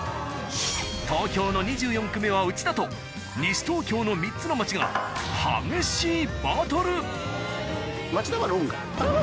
東京の２４区目はうちだと西東京の３つの町が激しいバトル！